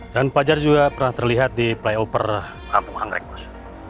dan pak jar juga pernah terlihat di play over kampung hangrek bos